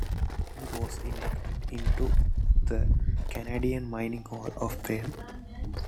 He was inducted into the Canadian Mining Hall of Fame.